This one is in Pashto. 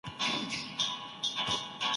په پښتو کي د عزم او استقامت ډېر مثالونه شته دي